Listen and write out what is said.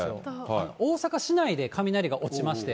大阪市内で雷が落ちまして。